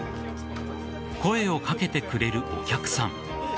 声をかけてくれるお客さん。